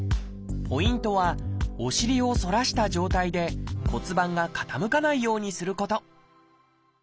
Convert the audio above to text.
ポイントはお尻を反らした状態で骨盤が傾かないようにすること